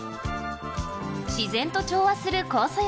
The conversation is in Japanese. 自然と調和する酵素浴。